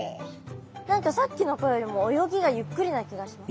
何かさっきの子よりも泳ぎがゆっくりな気がします。